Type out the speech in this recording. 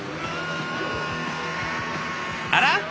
あら？